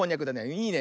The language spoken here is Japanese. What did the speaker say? いいね。